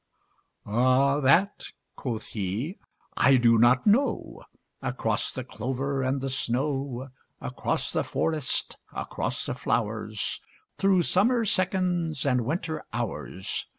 Ah, that (quoth he) I do not know: Across the clover and the snow Across the forest, across the flowers Through summer seconds and winter hours.